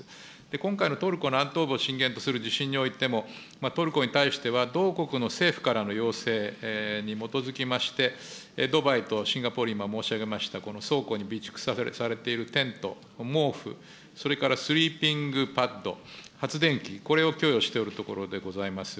今回のトルコ南東部を震源地とする地震においても、トルコに対しては、同国の政府からの要請に基づきまして、ドバイとシンガポール、今申し上げました、この倉庫に備蓄されているテント、毛布、それからスリーピングパッド、発電機、これを供与しておるところでございます。